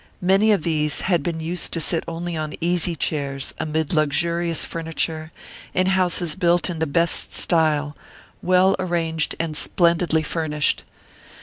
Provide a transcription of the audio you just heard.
Many of these had been used to sit only on easy chairs [lit., rocking chairs], amid luxurious furniture, in houses built in the best style, well arranged and splendidly fur nished.